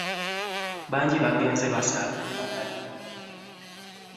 Bangi bagenze basaaga ne batadda.